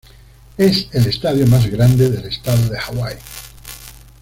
Es el estadio más grande del estado de Hawái.